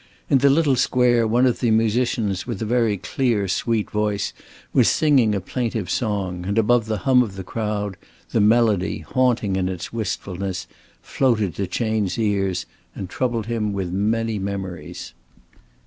In the little square one of the musicians with a very clear sweet voice was singing a plaintive song, and above the hum of the crowd, the melody, haunting in its wistfulness, floated to Chayne's ears, and troubled him with many memories.